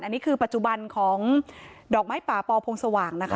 อันนี้คือปัจจุบันของดอกไม้ป่าปอพงสว่างนะคะ